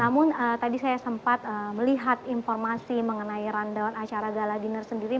namun tadi saya sempat melihat informasi mengenai rundown acara gala dinner sendiri